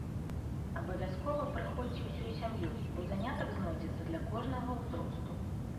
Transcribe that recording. Абавязкова прыходзьце ўсёй сям'ёй, бо занятак знойдзецца для кожнага ўзросту.